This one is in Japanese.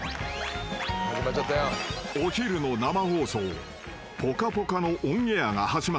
［お昼の生放送『ぽかぽか』のオンエアが始まった］